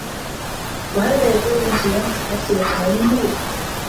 وَهَذَا يَكُونُ مِنْ صِيَانَةِ النَّفْسِ وَكَمَالِ الْمُرُوءَةِ